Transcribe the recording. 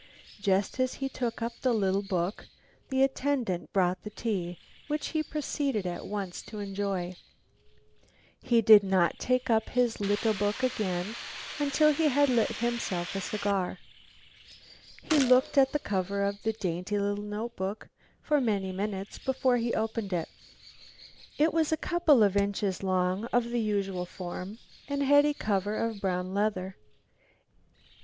Just as he took up the little book, the attendant brought the tea, which he proceeded at once to enjoy. He did not take up his little book again until he had lit himself a cigar. He looked at the cover of the dainty little notebook for many minutes before he opened it. It was a couple of inches long, of the usual form, and had a cover of brown leather.